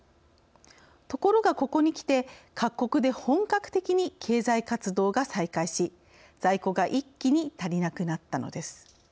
ところが、ここにきて各国で本格的に経済活動が再開し在庫が一気に足りなくなったのです。